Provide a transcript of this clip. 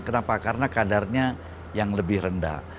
kenapa karena kadarnya yang lebih rendah